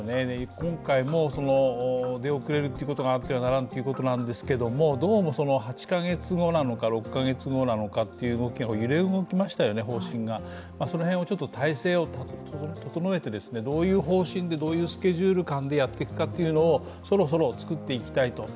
今回も出遅れることがあってはならんということなんですが、どうも８カ月後なのか、６カ月後なのかという動き、方針が揺れ動きましたよね、その辺を体制を整えてどういう方針でどういうスケジュール感でやっていくのか、そろそろ作っていきたいと。